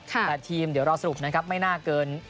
แต่ทีมเดี๋ยวรอสรุปนะครับไม่น่าเกิน